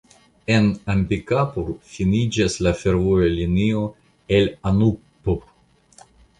En Ambikapur finiĝas la fervoja linio el Anuppur.